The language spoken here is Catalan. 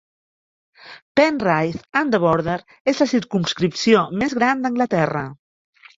Penrith and The Border és la circumscripció més gran d'Anglaterra.